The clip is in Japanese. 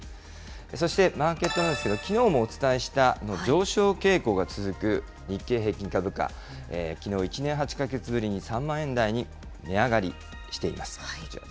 そしてマーケットなんですけど、きのうもお伝えした、上昇傾向が続く日経平均株価、きのう１年８か月ぶりに３万円台に値上がりしています。